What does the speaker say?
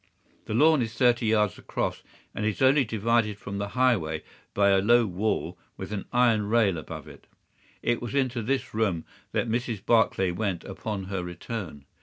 The lawn is thirty yards across, and is only divided from the highway by a low wall with an iron rail above it. It was into this room that Mrs. Barclay went upon her return.